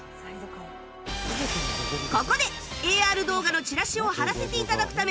ここで ＡＲ 動画のチラシを貼らせて頂くため